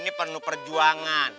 ini penuh perjuangan